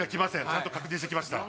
ちゃんと確認してきました